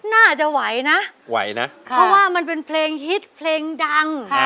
น่าจะไหวนะไหวนะเพราะว่ามันเป็นเพลงฮิตเพลงดัง